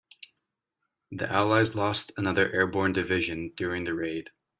The allies lost another airborne division during the raid.